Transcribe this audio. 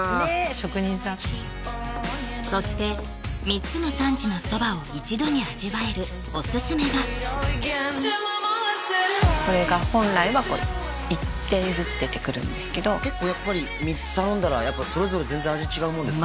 職人さんそして３つの産地の蕎麦を一度に味わえるオススメがこれが本来はこう一点ずつ出てくるんですけど結構やっぱり３つ頼んだらやっぱそれぞれ全然味違うものですか？